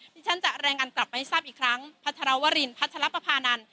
ที่ฉันจะรายงานกลับมาให้ทราบอีกครั้งพัทรวรินพัชรปภานันท